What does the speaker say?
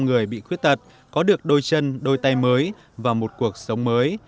người bị khuyết tật có được đôi chân đôi tay mới và một cuộc sống mới